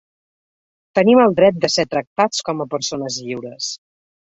Tenim el dret de ser tractats com a persones lliures.